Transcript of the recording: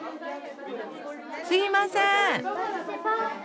すいません。